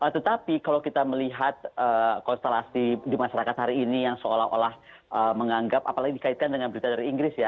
tetapi kalau kita melihat konstelasi di masyarakat hari ini yang seolah olah menganggap apalagi dikaitkan dengan berita dari inggris ya